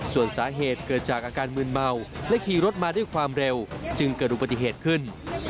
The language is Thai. ส่วนสาเหตุเกิดจากอาการมืนเมาและขี่รถมาด้วยความเร็วจึงเกิดอุบัติเหตุขึ้น